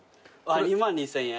２万２，０００円。